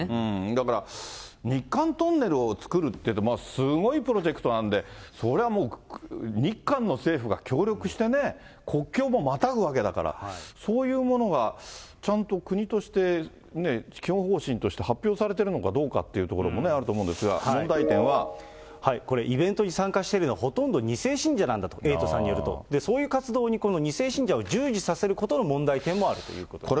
だから、日韓トンネルをつくるっていうと、すごいプロジェクトなんで、それはもう日韓の政府が協力してね、国境もまたぐわけだから、そういうものがちゃんと国として、基本方針として発表されてるのかどうかっていうところもあると思これ、イベントに参加しているのは、ほとんど２世信者なんだと、エイトさんによると。そういう活動に２世信者を従事させることの問題点もあるということです。